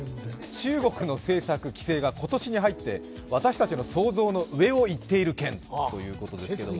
中国の政策、規制が今年に入って私たちの想像の上を行っている件ということで。